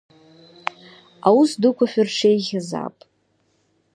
Аус дуқәа шәырҽеихьазаап…